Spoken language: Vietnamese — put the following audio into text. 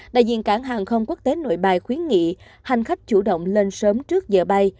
đại diện cảng hàng không quốc tế nội bài khuyến nghị hành khách chủ động lên sớm trước giờ bay